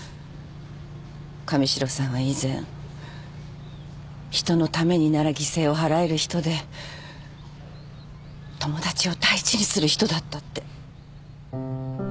神代さんは以前人のためになら犠牲を払える人で友達を大事にする人だったって。